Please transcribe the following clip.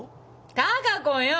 貴子よ。